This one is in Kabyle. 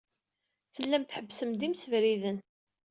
Tellam tḥebbsem-d imsebriden.